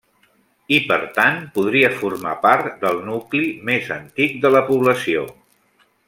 I per tant podria formar part del nucli més antic de la població.